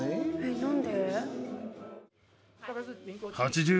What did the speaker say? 何で？